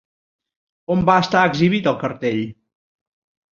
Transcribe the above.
On va estar exhibit el cartell?